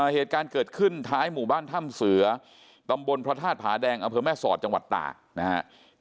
เหตุการณ์เกิดขึ้นท้ายหมู่บ้านถ้ำเสือตำบลพระธาตุผาแดงอำเภอแม่สอดจังหวัดตากนะครับ